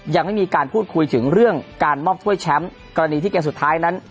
ยังไม่มีการพูดคุยถึงเรื่องการมอบถ้วยแชมป์กรณีที่เกมสุดท้ายนั้น